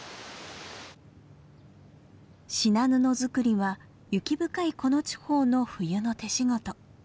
しな布作りは雪深いこの地方の冬の手仕事。